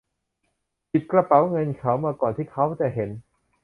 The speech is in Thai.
หยิบกระเป๋าเงินเขามาก่อนที่เค้าจะเห็น